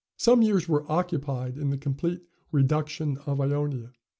'" Some years were occupied in the complete reduction of Ionia.